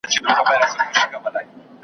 مونږ ځکه ټک وهلې دي خېمې پۀ مېخانه کښې